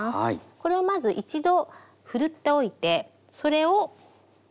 これをまず一度ふるっておいてそれを。